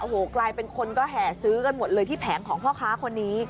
โอ้โหกลายเป็นคนก็แห่ซื้อกันหมดเลยที่แผงของพ่อค้าคนนี้